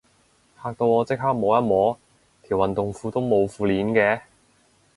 嚇到我即刻摸一摸，條運動褲都冇褲鏈嘅